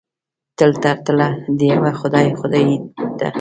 تل تر تله د یوه خدای خدایي ده.